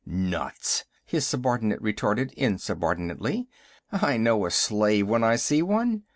"Nuts," his subordinate retorted insubordinately. "I know a slave when I see one.